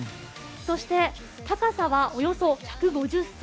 そして高さはおよそ１５０ｃｍ。